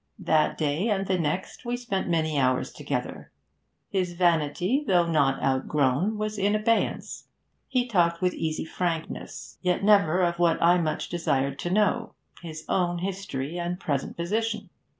That day and the next we spent many hours together. His vanity, though not outgrown, was in abeyance; he talked with easy frankness, yet never of what I much desired to know, his own history and present position.